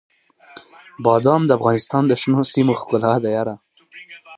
بادام د افغانستان د شنو سیمو ښکلا ده.